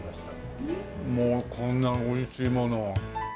もうこんな美味しいものを。